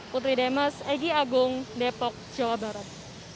putri demas egy agung depok jawa barat